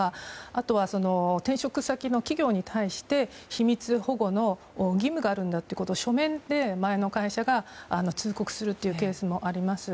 あとは転職先の企業に対して秘密保護の義務があるんだということを書面で前の会社が通告するというケースもあります。